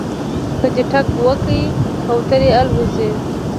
که دې ټک وکړ کوترې الوځي